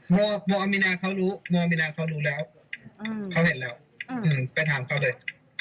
โมอัมินาเขารู้แล้วเขาเห็นแล้วไปถามเขาเลย